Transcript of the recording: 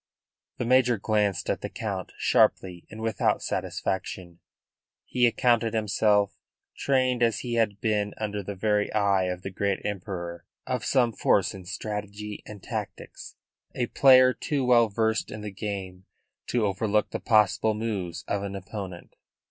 The major glanced at the Count sharply and without satisfaction. He accounted himself trained as he had been under the very eye of the great Emperor of some force in strategy and tactics, a player too well versed in the game to overlook the possible moves of an opponent.